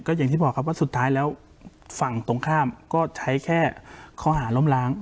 อย่างที่บอกครับว่าสุดท้ายแล้วฝั่งตรงข้ามก็ใช้แค่ข้อหาล้มล้าง